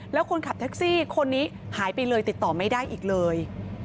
แล้วคนขับแท็กซี่คนนี้หายไปเลยติดต่อไม่ได้อีกเลย